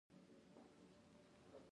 له څو اړخونو معیوب او ناروغ دي.